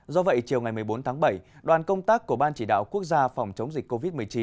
do vậy chiều ngày một mươi bốn tháng bảy đoàn công tác của ban chỉ đạo quốc gia phòng chống dịch covid một mươi chín